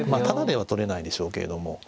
タダでは取れないでしょうけれども。